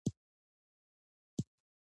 د مریوټ هوټل دننه یو ځوان ناست و.